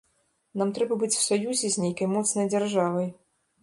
Нам трэба быць у саюзе з нейкай моцнай дзяржавай.